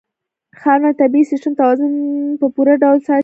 ښارونه د طبعي سیسټم توازن په پوره ډول ساتي.